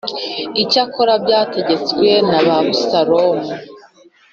Icyakora byategetswe na Abusalomu